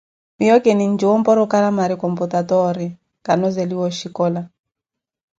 Miyo kinjuwa oporokaramari computatoore, kanozeliwa oshikola.